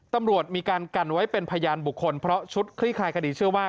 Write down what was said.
ตำรวจมีการกันไว้เป็นพยานบุคคลเพราะชุดคลี่คลายคดีเชื่อว่า